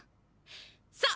さあ！